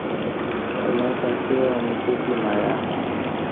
তোমার কাছে অমিতও কি মায়া।